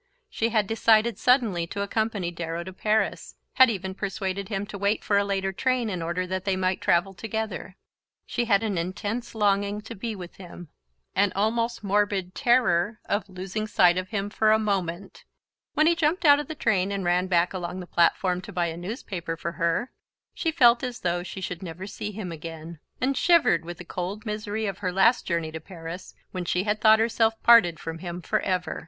She had decided suddenly to accompany Darrow to Paris, had even persuaded him to wait for a later train in order that they might travel together. She had an intense longing to be with him, an almost morbid terror of losing sight of him for a moment: when he jumped out of the train and ran back along the platform to buy a newspaper for her she felt as though she should never see him again, and shivered with the cold misery of her last journey to Paris, when she had thought herself parted from him forever.